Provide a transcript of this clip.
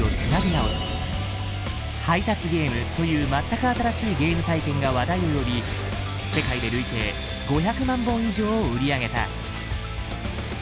「配達ゲーム」という全く新しいゲーム体験が話題を呼び世界で累計５００万本以上を売り上げた。